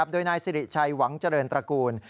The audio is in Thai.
โดยนายสิริชัยหวังเจริญตระกูล